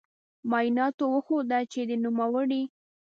معایناتو وښوده چې د نوموړې